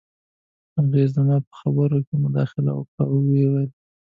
هغې زما په خبرو کې مداخله وکړه او وویې ویل